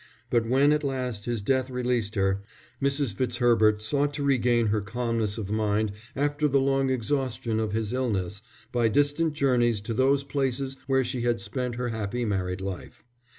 But when at last his death released her, Mrs. Fitzherbert sought to regain her calmness of mind after the long exhaustion of his illness, by distant journeys to those places where she had spent her happy married life.